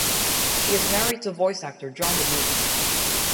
She is married to voice actor John DeMita.